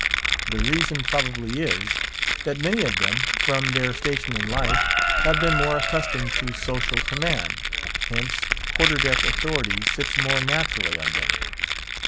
The reason probably is, that many of them, from their station in life, have been more accustomed to social command; hence, quarter deck authority sits more naturally on them.